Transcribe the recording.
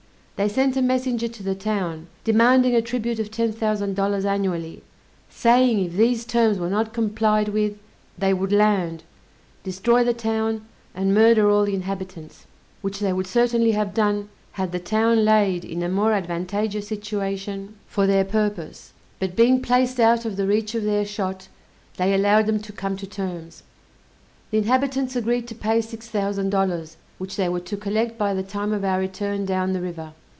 They sent a messenger to the town, demanding a tribute of ten thousand dollars annually, saying, if these terms were not complied with, they would land, destroy the town, and murder all the inhabitants; which they would certainly have done, had the town laid in a more advantageous situation for their purpose; but being placed out of the reach of their shot, they allowed them to come to terms. The inhabitants agreed to pay six thousand dollars, which they were to collect by the time of our return down the river.